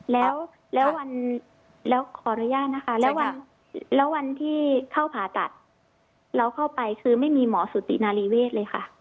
แล้ววันแล้วขออนุญาตนะคะแล้ววันที่เข้าผ่าตัดเราเข้าไปคือไม่มีหมอสุตินารีเวศเลยค่ะ